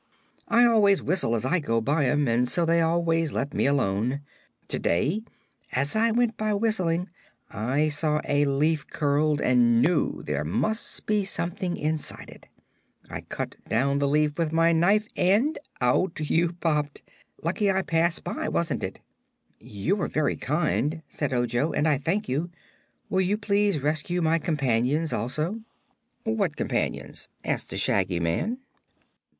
I always whistle as I go by 'em and so they always let me alone. To day as I went by, whistling, I saw a leaf curled and knew there must be something inside it. I cut down the leaf with my knife and out you popped. Lucky I passed by, wasn't it?" "You were very kind," said Ojo, "and I thank you. Will you please rescue my companions, also?" "What companions?" asked the Shaggy Man.